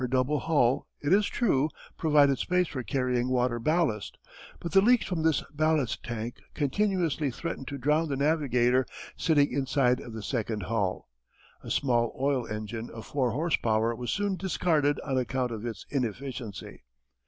Her double hull, it is true, provided space for carrying water ballast. But the leaks from this ballast tank continuously threatened to drown the navigator sitting inside of the second hull. A small oil engine of four horse power was soon discarded on account of its inefficiency.